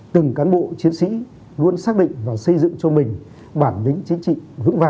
từng cán bộ chiến sĩ luôn xác định và xây dựng cho mình bản lĩnh chính trị vững vàng